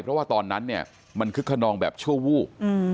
เพราะว่าตอนนั้นมันคึกขนองแบบเชื่อวูก